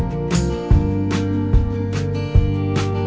ไม่ไม่รู้ทันหรือเปล่า